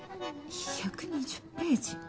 １２０ページ？